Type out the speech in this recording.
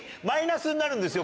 になるんですよ